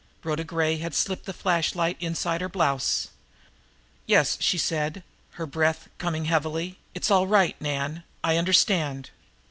Rhoda Gray had slipped the flashlight inside her blouse. "Yes," she said. Her breath was coming heavily. "It's all right, Nan. I understand."